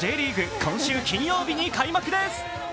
今週金曜日に開幕です。